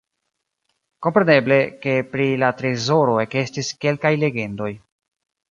Kompreneble, ke pri la trezoro ekestis kelkaj legendoj.